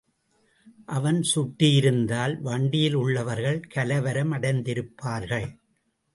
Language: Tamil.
அவன் சுட்டிருந்தால், வண்டியிலுள்ளவர்கள் கலவரமடைத்திருப்பார்கள்.